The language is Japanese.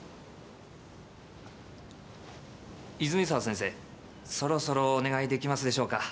泉沢先生そろそろお願いできますでしょうか？